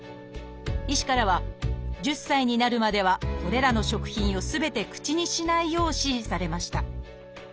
医師からは１０歳になるまではこれらの食品をすべて口にしないよう指示されました